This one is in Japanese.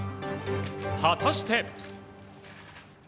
果たして。